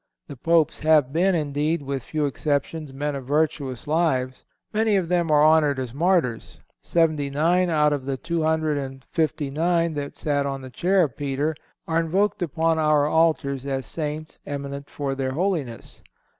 The Popes have been, indeed, with few exceptions, men of virtuous lives. Many of them are honored as martyrs. Seventy nine out of the two hundred and fifty nine that sat on the chair of Peter are invoked upon our altars as saints eminent for their holiness.